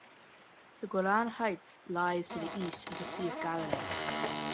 The Golan Heights lies to the east of the Sea of Galilee.